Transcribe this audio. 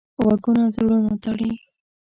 غږونه زړونه تړي